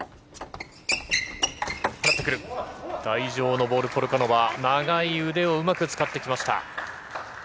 台上のボール、ポルカノバ長い腕をうまく使ってきました。